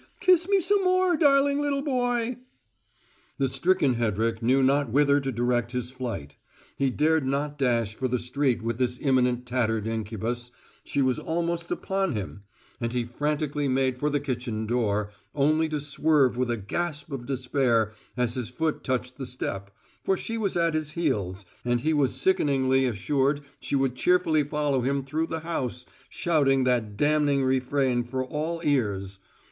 Kiss me some more, darling little boy!" The stricken Hedrick knew not whither to direct his flight: he dared not dash for the street with this imminent tattered incubus she was almost upon him and he frantically made for the kitchen door, only to swerve with a gasp of despair as his foot touched the step, for she was at his heels, and he was sickeningly assured she would cheerfully follow him through the house, shouting that damning refrain for all ears.